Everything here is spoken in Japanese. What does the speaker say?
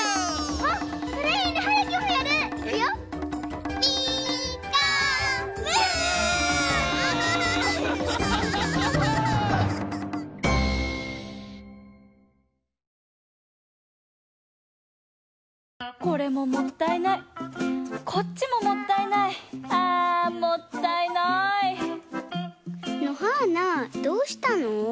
あもったいない！のはーなどうしたの？